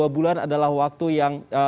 dua bulan adalah waktu yang